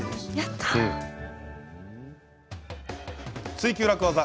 「ツイＱ楽ワザ」